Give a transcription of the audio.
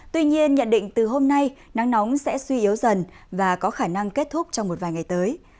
tuy nhiên nhận định từ hôm nay nắng nóng sẽ suy yếu dần và có khả năng kết thúc trong một vài ngày tới